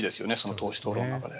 党首討論の中で。